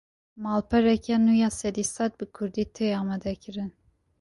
Malpereke nû ya sedî sed bi Kurdî, tê amadekirin